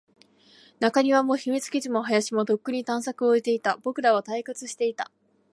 中庭も、秘密基地も、林も、とっくに探索を終えていた。僕らは退屈していた。